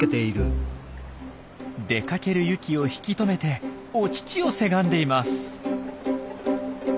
出かけるユキを引き止めてお乳をせがんでいます。